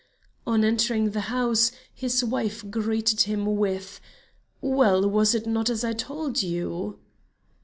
On entering the house, his wife greeted him with: "Well, was it not as I told you?"